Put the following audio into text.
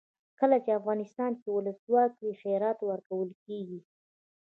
کله چې افغانستان کې ولسواکي وي خیرات ورکول کیږي.